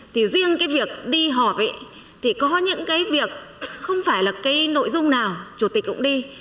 thì riêng cái việc đi họp thì có những cái việc không phải là cái nội dung nào chủ tịch cũng đi